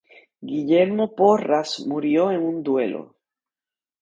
Guillermo Porras murió en un duelo.